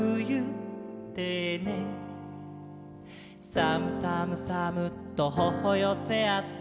「さむさむさむっとほほよせあって」